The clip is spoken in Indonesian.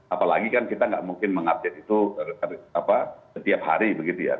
apalagi kan kita nggak mungkin mengupdate itu setiap hari begitu ya